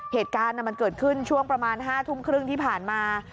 เหตุการณ์มันเกิดขึ้นช่วงประมาณ๕ทุ่มครึ่งที่ผ่านมา